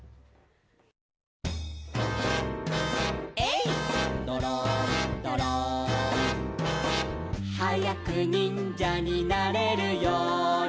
「えいっどろんどろん」「はやくにんじゃになれるように」